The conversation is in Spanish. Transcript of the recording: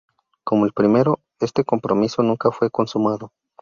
Como el primero, este compromiso nunca fue consumado.